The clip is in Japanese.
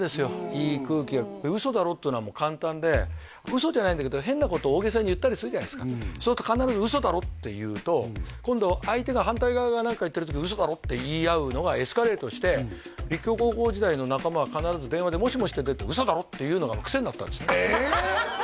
いい空気が「嘘だろ？」っていうのは簡単で嘘じゃないんだけど変なことを大げさに言ったりするじゃないですかそう言うと必ず「嘘だろ？」って言うと今度相手が反対側が何か言ってる時「嘘だろ？」って言い合うのがエスカレートして立教高校時代の仲間は必ず電話で「もしもし？」って出て「嘘だろ？」って言うのが癖になったんですねえ！